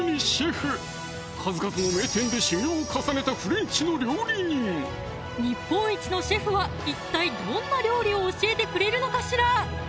数々の名店で修業を重ねた日本一のシェフは一体どんな料理を教えてくれるのかしら？